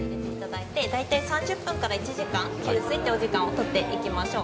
大体３０分から１時間吸水というお時間を取っていきましょう。